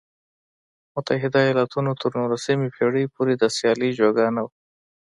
متحده ایالتونه تر نولسمې پېړۍ پورې د سیالۍ جوګه نه و.